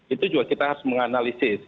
itu juga kita harus menganalisis